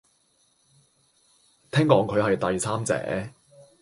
聽講佢係第三者